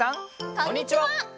こんにちは！